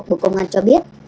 bộ công an cho biết